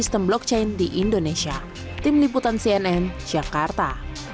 pengetahuan terhadap target target kita